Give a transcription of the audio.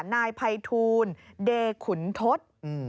นายไพทูลเดคุณทศ